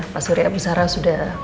pasuri abu sara sudah